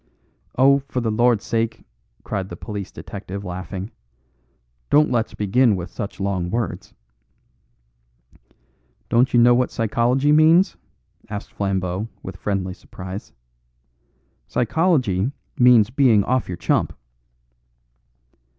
"Oh, for the Lord's sake," cried the police detective laughing, "don't let's begin with such long words." "Don't you know what psychology means?" asked Flambeau with friendly surprise. "Psychology means being off your chump."